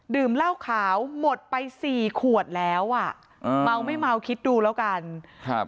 เหล้าขาวหมดไปสี่ขวดแล้วอ่ะอ่าเมาไม่เมาคิดดูแล้วกันครับ